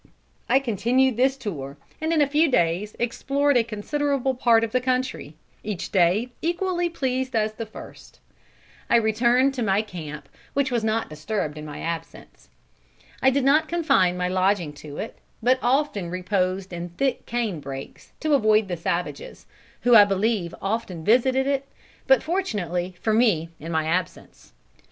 I continued this tour, and in a few days explored a considerable part of the country, each day equally pleased as the first. I returned to my old camp which was not disturbed in my absence. I did not confine my lodging to it, but often reposed in thick cane brakes, to avoid the savages, who I believe often visited it, but, fortunately for me, in my absence.